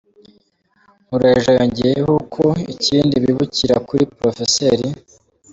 Nkurayija yongeyeho ko ikindi bibukira kuri Prof.